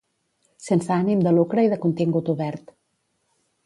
Sense ànim de lucre i de contingut obert.